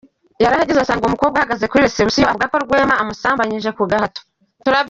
Yarahageze asanga uwo mukobwa ahagaze kuri reception avuga ko Rwema amusambanyije ku gahato.